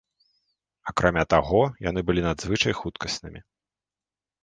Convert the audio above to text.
Акрамя таго, яны былі надзвычай хуткаснымі.